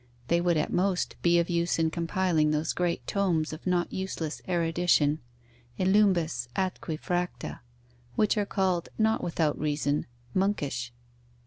They would at most be of use in compiling those great tomes of not useless erudition, elumbis atque fracta, which are called, not without reason, monkish.